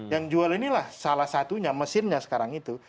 yang jual inilah salah satunya mesinnya sekarang itu